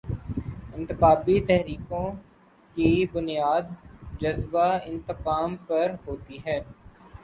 انقلابی تحریکوں کی بنیاد جذبۂ انتقام پر ہوتی ہے۔